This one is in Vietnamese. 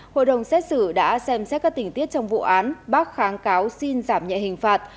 hội đồng xét xử đã xem xét các tình tiết trong vụ án bác kháng cáo xin giảm nhẹ hình phạt